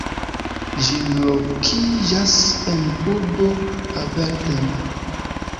Ĝi lokiĝas en urbo Aberdeen.